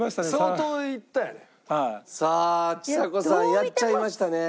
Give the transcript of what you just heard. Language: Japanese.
さあちさ子さんやっちゃいましたね。